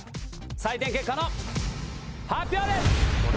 採点結果の発表です！